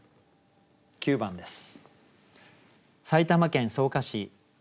９番です。